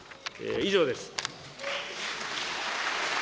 以上です。